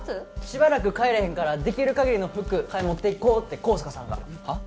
しばらく帰れへんからできるかぎりの服替え持っていこうって香坂さんがはっ？